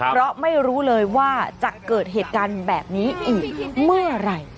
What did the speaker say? เพราะไม่รู้เลยว่าจะเกิดเหตุการณ์แบบนี้อีกเมื่อไหร่